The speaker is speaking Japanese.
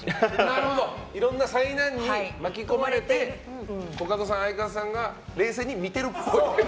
なるほどいろんな災難に巻き込まれてコカドさん、相方さんが冷静に見てるっぽい。